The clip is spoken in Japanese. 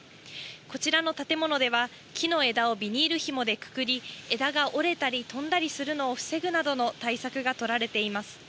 こちらの建物では木の枝をビニールひもでくくり、枝が折れたり飛んだりするのを防ぐなどの対策が取られています。